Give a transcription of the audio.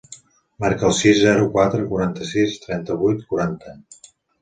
Marca el sis, zero, quatre, quaranta-sis, trenta-vuit, quaranta.